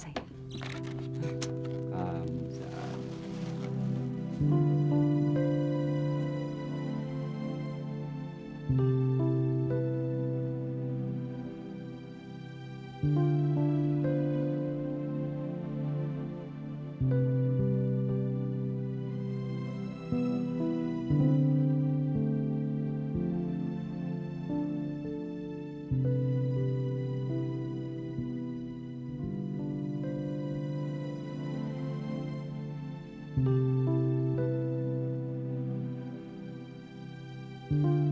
silahkan mengerjakan pekerjaan